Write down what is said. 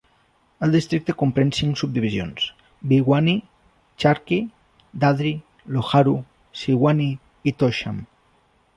El districte comprèn cinc subdivisions: Bhiwani, Charkhi Dadri, Loharu, Siwani i Tosham.